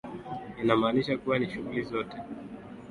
Inamaanisha kuwa ni shughuli zote za Uendelezaji na ukuzaji wa uchumi